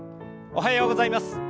おはようございます。